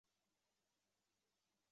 赞科夫的行径引起共产国际的谴责。